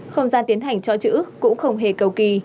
không gian tiến hành cho chữ cũng không hề cầu kỳ